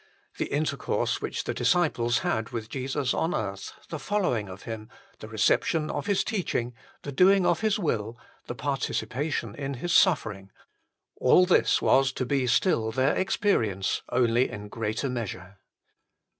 The intercourse which the disciples had with Jesus on earth, the following of Him, the reception of His teaching, the doing of His will, the participation in His suffering all this was to be still their experience, only in greater measure.